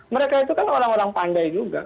mereka itu kan orang orang pandai juga